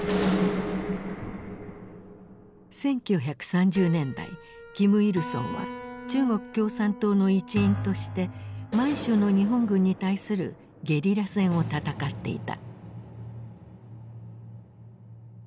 １９３０年代金日成は中国共産党の一員として満州の日本軍に対するゲリラ戦を戦っていた。